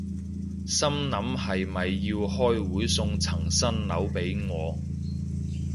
心諗係咪要開會送層新樓畀我